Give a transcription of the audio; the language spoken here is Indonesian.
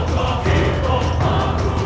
aku tidak tahu